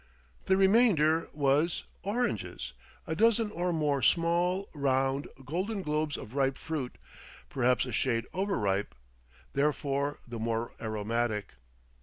The remainder was oranges: a dozen or more small, round, golden globes of ripe fruit, perhaps a shade overripe, therefore the more aromatic.